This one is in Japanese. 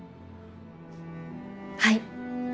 はい。